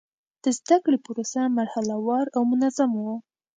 د زده کړې پروسه مرحله وار او منظم و.